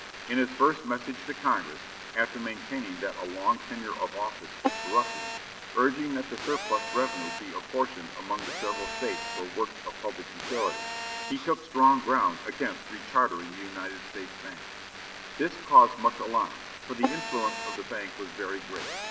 In his first message to Congress, after maintaining that a long tenure of office is corrupting, urging that the surplus revenue be apportioned among the several States for works of public utility, he took strong ground against rechartering the United States Bank. This caused much alarm, for the influence of the bank was very great.